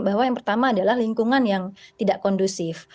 bahwa yang pertama adalah lingkungan yang tidak kondusif